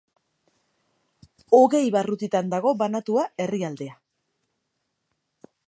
Hogei barrutitan dago banatua herrialdea.